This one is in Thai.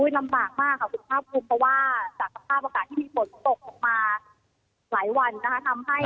ลำบากมากครับคุณภาพครูเพราะว่าจากภาพโอกาสที่มีปลดตกมาหลายวันนะคะ